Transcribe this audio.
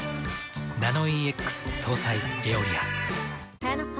ナノイーＸ搭載「エオリア」。